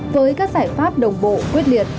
với các giải pháp đồng bộ quyết liệt